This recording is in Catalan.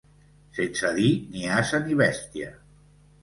Sense dir ni ase ni bèstia.